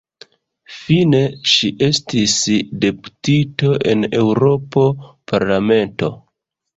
Fine ŝi estis deputito en Eŭropa Parlamento.